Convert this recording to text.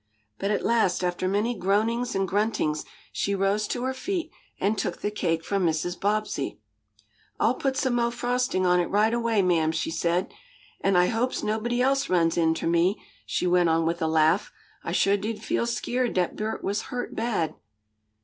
But at last, after many groanings and gruntings, she rose to her feet, and took the cake from Mrs. Bobbsey. "I'll put some mo' frostin' on it right away, ma'am," she said. "An' I hopes nobody else runs inter me," she went on with a laugh. "I shuah did feel skeered dat Bert was hurt bad."